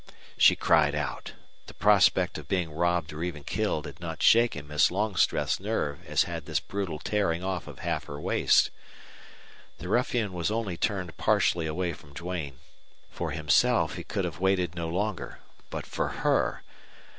She cried out. The prospect of being robbed or even killed had not shaken Miss Longstreth's nerve as had this brutal tearing off of half her waist. The ruffian was only turned partially away from Duane. For himself he could have waited no longer. But for her!